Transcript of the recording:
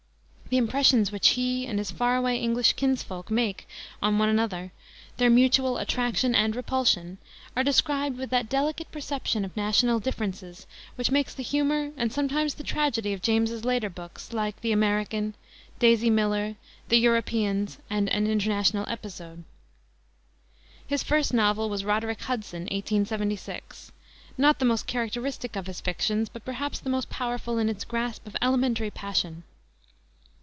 The impressions which he and his far away English kinsfolk make on one another, their mutual attraction and repulsion, are described with that delicate perception of national differences which makes the humor and sometimes the tragedy of James's later books, like the American, Daisy Miller, the Europeans, and An International Episode. His first novel was Roderick Hudson, 1876, not the most characteristic of his fictions, but perhaps the most powerful in its grasp of elementary passion.